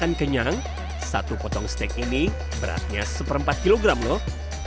daging kenyang satu potong steak ini beratnya satu empat kg loh